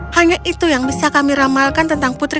hanya itu yang bisa kami ramalkan tentang putri